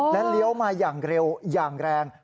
และเลี้ยวมาอย่างเร็วอย่างแรง